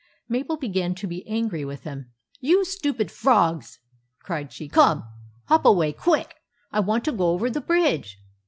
Mabel began to be angry with them. " You stupid frogs !" cried she. " Come! hop away, quick ! I want to go over the bridge."